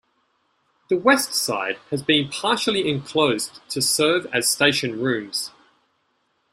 The west side has been partially enclosed to serve as station rooms.